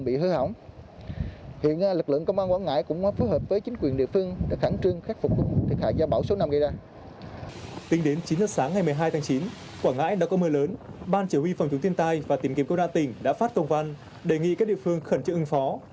ban chỉ huy phòng chống tiên tai và tìm kiếm công đa tỉnh đã phát công văn đề nghị các địa phương khẩn trực ứng phó